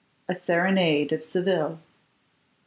A SERENADE OF SEVILLE. I.